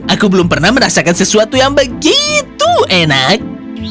aku belum pernah merasakan sesuatu yang begitu enak